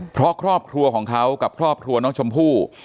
เพราะครอบครัวของเขากับครอบครัวน้องชมพู่